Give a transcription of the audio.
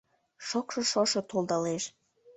Шокшо шошо толдалеш.